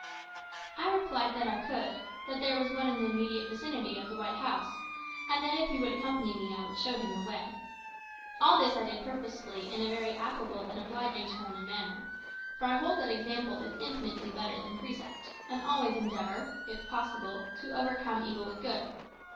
I replied that I could; that there was one in the immediate vicinity of the white house, and that if he would accompany me I would show him the way. All this I did purposely in a very affable and obliging tone and manner; for I hold that example is infinitely better than precept, and always endeavour, if possible, to overcome evil with good.